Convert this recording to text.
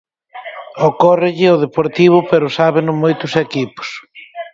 Ocórrelle ao Deportivo pero sábeno moitos equipos.